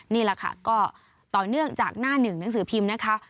นี่แหละค่ะก็ต่อเนื่องจากหน้าหนึ่งหนังสือพิมพ์นะคะ